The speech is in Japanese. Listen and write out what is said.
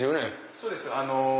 そうです。